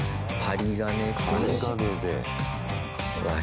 針金で。